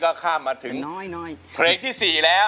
เอาไว้ถึงเพียงที่๑๐เลย๑๐๐๐๐๐๐บาท